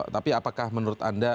tapi apakah menurut anda